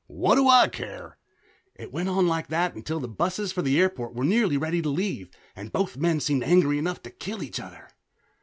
"What do I care?" It went on like that until the busses for the airport were nearly ready to leave and both men seemed angry enough to kill each other.